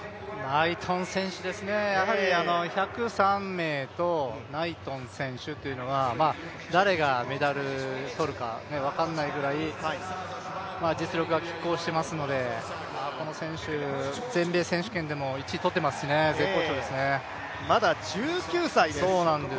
ナイトン選手ですね、やはりナイトン選手は誰がメダルをとるか分からないぐらい実力がきっ抗していますし、この選手世界選手権で１位とってますのでまだ１９歳です。